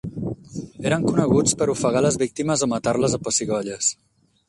Eren coneguts per ofegar les víctimes o matar-les a pessigolles.